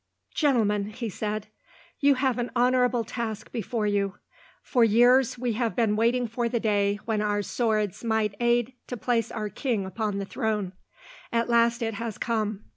"Gentlemen," he said, "you have an honourable task before you. For years we have been waiting for the day when our swords might aid to place our king upon the throne. At last it has come.